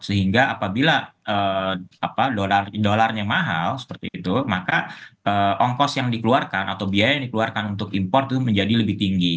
sehingga apabila dolarnya mahal seperti itu maka ongkos yang dikeluarkan atau biaya yang dikeluarkan untuk impor itu menjadi lebih tinggi